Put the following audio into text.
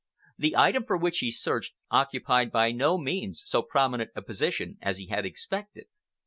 The item for which he searched occupied by no means so prominent a position as he had expected.